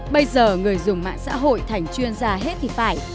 bây giờ người dùng mạng xã hội thành chuyên gia hết thì phải